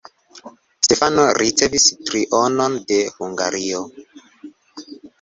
Stefano ricevis trionon de Hungario.